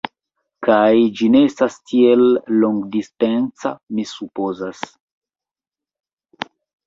Kaj, ĝi ne estas tiel longdistanca, mi supozas.